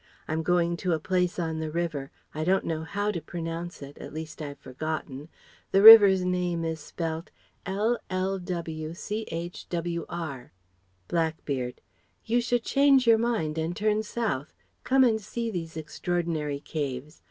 I'm going to a place on the river I don't know how to pronounce it at least I've forgotten. The river's name is spelt Llwchwr." Blackbeard: "You should change your mind and turn south come and see these extraordinary caves.